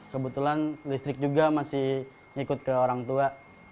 kebetulan listrik juga masih ngikut ke orang tua